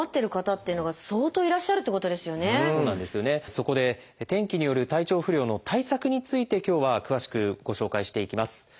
そこで天気による体調不良の対策について今日は詳しくご紹介していきます。